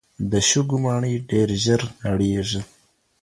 د شګو ماڼۍ ډېر ژر نړېږي.